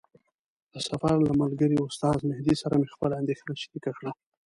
د سفر له ملګري استاد مهدي سره مې خپله اندېښنه شریکه کړه.